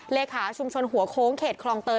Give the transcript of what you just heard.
เลขาชุมชนหัวโค้งเขตคลองเตย